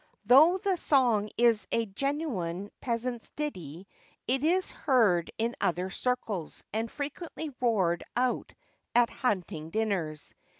Though the song is a genuine peasant's ditty, it is heard in other circles, and frequently roared out at hunting dinners.